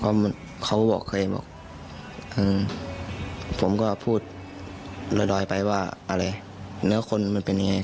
กลัวครับเพราะเขาเคยบอกผมก็พูดละดอยไปว่าอะไรเนื้อคนมันเป็นยังไง